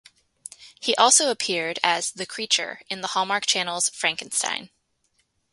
He also appeared as The Creature in the Hallmark Channel's "Frankenstein".